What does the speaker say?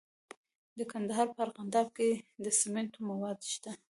د کندهار په ارغنداب کې د سمنټو مواد شته.